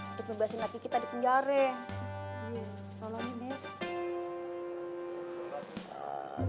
untuk membiasin laki kita di penjaring